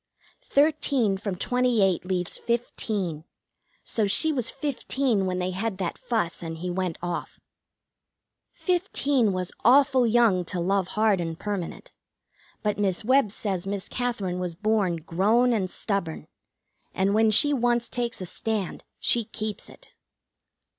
Thirteen from twenty eight leaves fifteen, so she was fifteen when they had that fuss and he went off. Fifteen was awful young to love hard and permanent; but Miss Webb says Miss Katherine was born grown and stubborn, and when she once takes a stand she keeps it.